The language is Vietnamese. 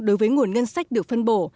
đối với nguồn ngân sách được phân bổ